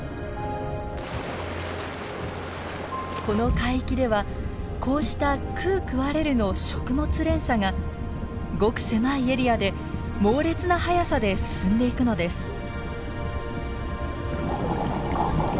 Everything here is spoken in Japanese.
この海域ではこうした食う食われるの食物連鎖がごく狭いエリアで猛烈な速さで進んでいくのです。